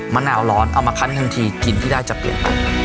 มะนาวร้อนเอามาคันทันทีกลิ่นที่ได้จะเปลี่ยนไป